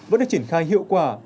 vẫn được triển khai hiệu quả